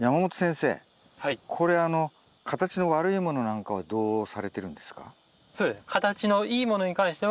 これ形の悪いものなんかはどうされてるんですか？